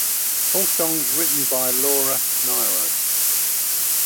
All songs written by Laura Nyro.